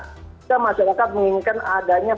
kita masih lengkap menginginkan adanya